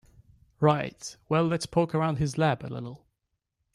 Right, well let's poke around his lab a little.